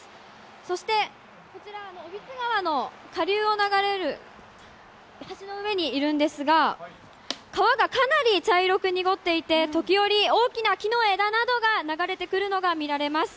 そして、こちら、小櫃川の下流を流れる橋の上にいるんですが、川がかなり茶色く濁っていて時折、大きな木の枝などが流れてくるのが見られます。